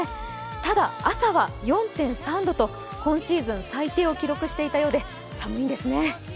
ただ朝は４．３度と今シーズン最低を記録していたようで、寒いですね。